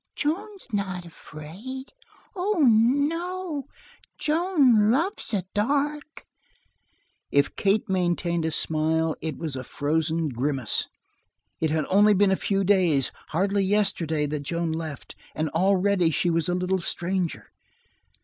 "Joan's not afraid. Oh, no! Joan loves the dark." If Kate maintained a smile, it was a frozen grimace. It had only been a few days hardly yesterday that Joan left, and already she was a little stranger.